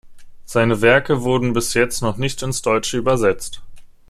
Seine Werke wurden bis jetzt noch nicht ins Deutsche übersetzt.